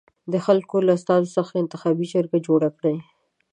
د خلکو له استازیو څخه انتخابي جرګه جوړه کړي.